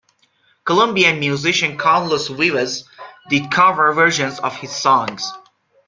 Colombian musician Carlos Vives did cover versions of his songs.